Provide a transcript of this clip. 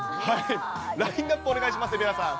ラインナップお願いします、蛯原さん。